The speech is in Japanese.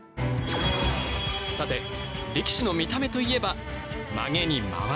さて力士の見た目といえばまげにまわし。